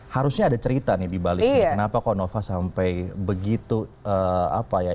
harusnya ada cerita nih dibaliknya kenapa kok nova sampai begitu apa ya